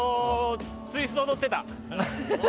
ツイスト踊ってた。